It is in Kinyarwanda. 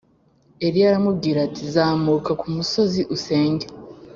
Eliya aramubwira ati zamuka kumusozi usenge